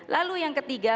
lalu yang ketiga